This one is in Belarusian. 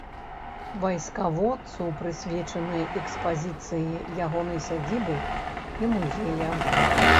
Вайскаводцу прысвечаны экспазіцыі ягонай сядзібы і музея.